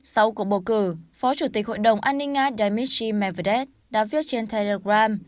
sau cuộc bầu cử phó chủ tịch hội đồng an ninh nga dmitry medvedev đã viết trên telegram